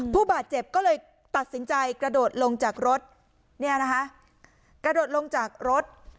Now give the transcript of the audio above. ผู้บาดเจ็บก็เลยตัดสินใจกระโดดลงจากรถเนี่ยนะคะกระโดดลงจากรถ